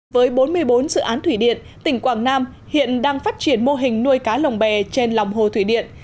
với bốn mươi bốn dự án thủy điện tỉnh quảng nam hiện đang phát triển mô hình nuôi cá lồng bè trên lòng hồ thủy điện